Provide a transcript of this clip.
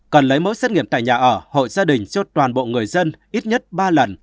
cần lấy mẫu xét nghiệm tại nhà ở hội gia đình cho toàn bộ người dân ít nhất ba lần